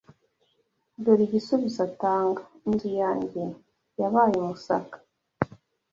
Dore igisubizo atanga: “Inzu yanjye yabaye umusaka